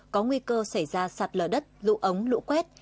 có nguy cơ xảy ra sạt lở đất lũ ống lũ quét